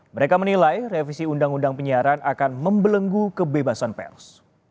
mereka menilai revisi undang undang penyiaran akan membelenggu kebebasan pers